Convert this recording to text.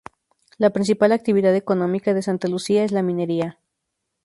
La principal actividad económica de Santa Lucía es la minería.